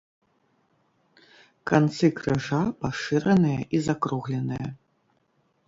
Канцы крыжа пашыраныя і закругленыя.